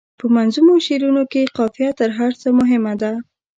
په منظومو شعرونو کې قافیه تر هر څه مهمه ده.